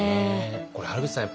これ原口さん